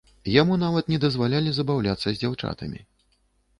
Яму нават не дазвалялі забаўляцца з дзяўчатамі.